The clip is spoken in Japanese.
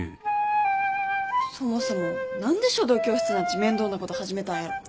そもそも何で書道教室なんち面倒なこと始めたんやろ？